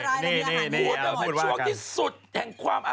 จากกระแสของละครกรุเปสันนิวาสนะฮะ